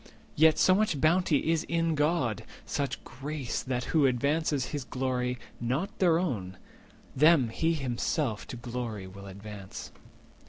Yet so much bounty is in God, such grace, That who advances his glory, not their own, Them he himself to glory will advance."